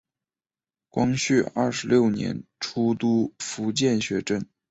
光绪二十六年出督福建学政。